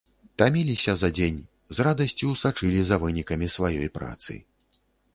Таміліся за дзень, з радасцю сачылі за вынікамі сваёй працы.